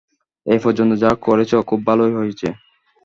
এ পর্যন্ত যা করেছ, খুব ভালই হয়েছে।